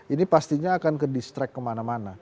ini pastinya akan ke distrect kemana mana